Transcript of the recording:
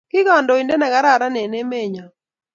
kikandoiten nekararan en emt nyon